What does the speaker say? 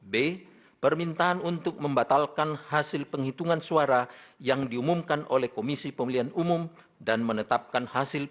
b permintahan untuk membatalkan hasil penghitungan suara yang diumumkan oleh komisi pemilihan umum dan hasil penghitungan yang benar menurut pemohon